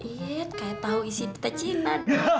iya kayak tahu isi pita cina